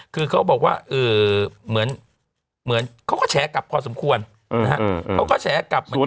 คือเค้าบอกว่าเค้าก็แฉกรับพอสมควรเค้าก็แฉกรับเหมือนกัน